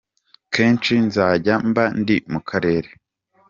Kenshi nzajya mba ndi mu karere.